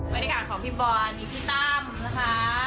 บรรยากาศของพี่บอลมีพี่ตั้มนะคะ